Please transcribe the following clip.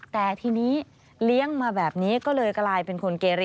แต่ทีนี้เลี้ยงมาแบบนี้ก็เลยกลายเป็นคนเกรีย